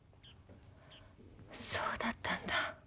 そうだったんだ。